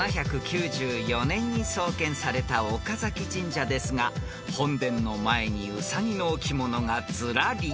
［７９４年に創建された岡神社ですが本殿の前にうさぎの置物がずらり］